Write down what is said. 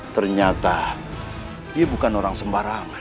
ternyata dia bukan orang sembarangan